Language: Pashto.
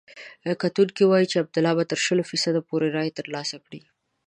کتونکي وايي چې عبدالله به تر شلو فیصدو پورې رایې ترلاسه کړي.